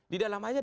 di dalam aja